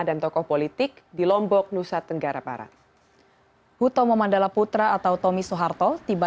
dan tokoh politik di lombok nusa tenggara barat hutomo mandala putra atau tommy soeharto tiba